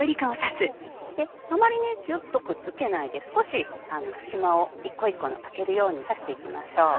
あまりギュっとくっつけないで少し隙間を一個一個の空けるように刺していきましょう。